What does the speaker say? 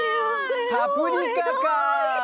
「パプリカ」か！